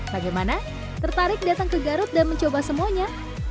bagaimana tertarik datang ke garut dan mencoba semuanya